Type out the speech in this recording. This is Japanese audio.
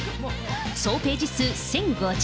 総ページ数１０５６。